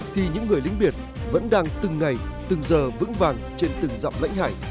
thì những người lính biển vẫn đang từng ngày từng giờ vững vàng trên từng dặm lãnh hải